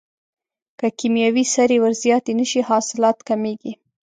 که کیمیاوي سرې ور زیاتې نشي حاصلات کمیږي.